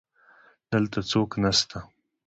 دلته څوک نسته